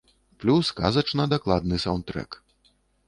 Плюс казачна дакладны саўндтрэк.